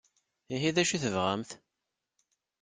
Ihi d acu i tebɣamt?